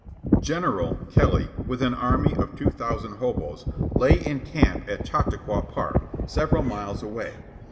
"General" Kelly, with an army of two thousand hoboes, lay in camp at Chautauqua Park, several miles away.